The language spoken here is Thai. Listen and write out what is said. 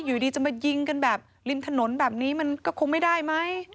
อยู่ดีจะมายิงกันแบบริมถนนแบบนี้มันก็คงไม่ได้ไหม